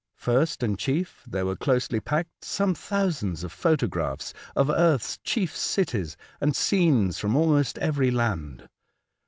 First and chief there were closely packed some thousands of photographs of earth's chief cities, and scenes from almost every land.